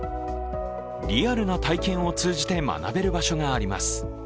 リアルな体験を通じて学べる場所があります。